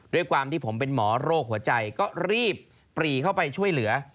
ด้วยความที่ผมเป็นหมอโรคหัวใจก็รีบปรีเข้าไปช่วยเหลือ